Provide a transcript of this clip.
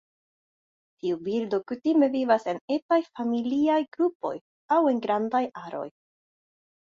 Tiu birdo kutime vivas en etaj familiaj grupoj aŭ en grandaj aroj.